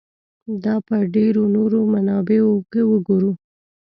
دا په ډېرو نورو منابعو کې وګورو.